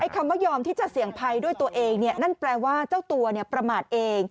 คำว่ายอมที่จะเสี่ยงภัยด้วยตัวเองนั่นแปลว่าเจ้าตัวประมาทเอง